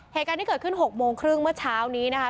เหตุการณ์ที่เกิดขึ้น๖โมงครึ่งเมื่อเช้านี้นะคะ